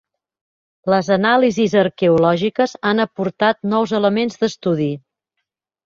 Les anàlisis arqueològiques han aportat nous elements d'estudi.